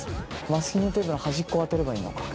マスキングテープの端っこをあてればいいのか。